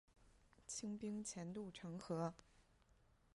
清兵潜渡城河。